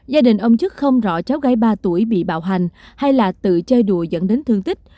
gia đình ông chức không rõ cháu gái ba tuổi bị bạo hành hay là tự chơi đùa dẫn đến thương tích